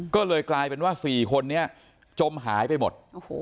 ก็เลยกลายเป็นว่า๔คนนี้จมหายไปหมด